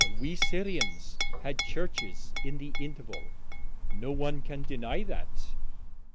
We Syrians had churches in the interval; no one can deny that.